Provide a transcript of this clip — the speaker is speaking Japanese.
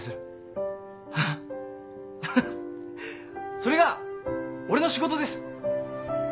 それが俺の仕事です。